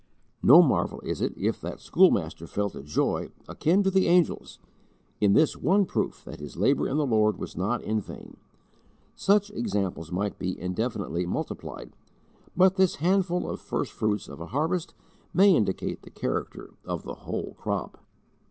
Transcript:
No marvel is it if that schoolmaster felt a joy, akin to the angels, in this one proof that his labour in the Lord was not in vain. Such examples might be indefinitely multiplied, but this handful of first fruits of a harvest may indicate the character of the whole crop.